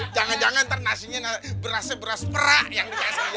jangan jangan terlalu beras perak yang